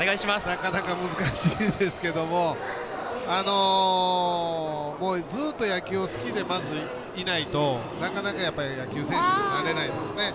なかなか難しいですけどもずっと野球を好きでいないとなかなか野球選手にはなれないですね。